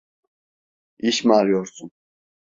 İş mi arıyorsun?